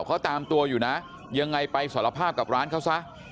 เขาตามตัวอยู่นะยังไงไปสารภาพกับร้านเขาซะ